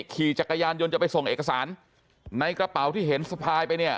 ขี่จักรยานยนต์จะไปส่งเอกสารในกระเป๋าที่เห็นสะพายไปเนี่ย